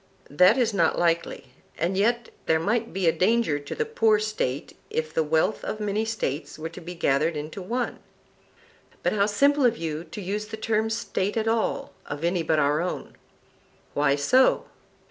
That is not likely; and yet there might be a danger to the poor State if the wealth of many States were to be gathered into one. But how simple of you to use the term State at all of any but our own! Why so?